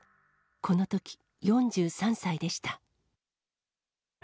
このとき４３歳でした。